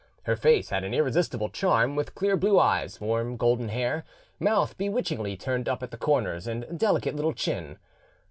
Her face had an irresistible charm, with clear blue eyes, warm golden hair, mouth bewitchingly turned up at the corners, and delicate little chin.